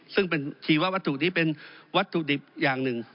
ซึ่งเป็นชีวัตถุนี้เป็นวัตถุดิบอย่างหนึ่ง